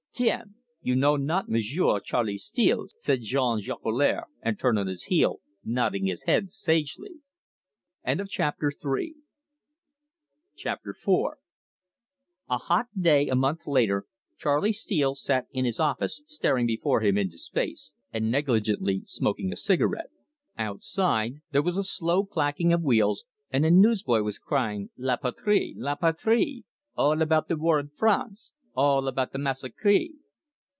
"Tiens! you know not M'sieu' Charley Steele," said Jean Jolicoeur, and turned on his heel, nodding his head sagely. CHAPTER IV. CHARLEY MAKES A DISCOVERY A hot day a month later Charley Steele sat in his office staring before him into space, and negligently smoking a cigarette. Outside there was a slow clacking of wheels, and a newsboy was crying "La Patrie! La Patrie! All about the War in France! All about the massacree!"